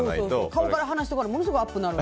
顔から離しておかなものすごいアップにある。